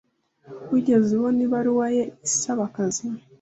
Wigeze ubona ibaruwa ye isaba akazi?